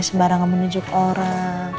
sembarangan menunjuk orang